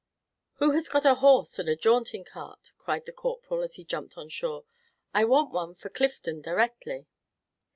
"Who has got a horse and a jaunting car?" cried the Corporal, as he jumped on shore. "I want one for Clifden directly."